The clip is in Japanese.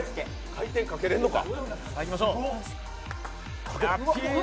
回転かけれんのか？